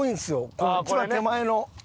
この一番手前の。